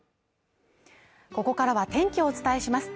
ここからは天気をお伝えします